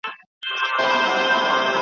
څېړونکی د متن محتوا څنګه پرتله کوي؟